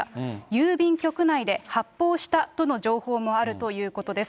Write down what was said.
郵便局内で発砲したとの情報もあるということです。